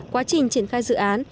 quá trình triển khai dự án